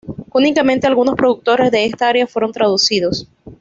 Únicamente algunos productos de esta área fueron traducidos.